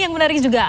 yang menarik juga